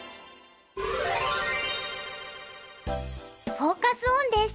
フォーカス・オンです。